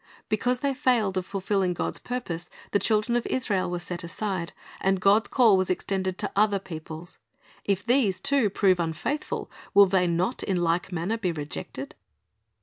"' Because they failed of fulfilling God's purpose, the children of Israel were set aside, and God's call was extended to other peoples. If these too prove unfaithful, will they not in like m.uiner be rejected?